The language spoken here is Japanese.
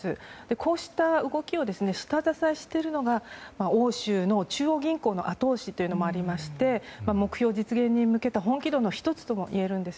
こうした動きを下支えしているのが欧州の中央銀行の後押しというのがありまして目標実現に向けた本気度の１つともいえるんです。